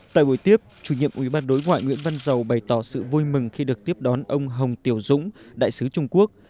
tại buổi tiếp chủ nhiệm ủy ban đối ngoại nguyễn văn giàu bày tỏ sự vui mừng khi được tiếp đón ông hồng tiểu dũng đại sứ trung quốc